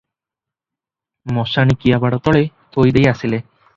ମଶାଣି କିଆବାଡ଼ ତଳେ ଥୋଇ ଦେଇ ଆସିଲେ ।